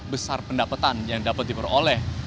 besar pendapatan yang dapat diperoleh